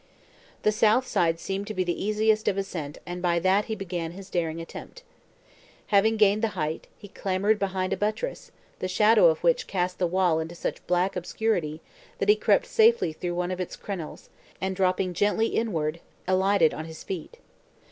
The south side seemed the easiest of ascent and by that he began his daring attempt. Having gained the height, he clambered behind a buttress, the shadow of which cast the wall into such black obscurity, that he crept safely through one of its crenelles, and dropping gently inward, alighted on his feet.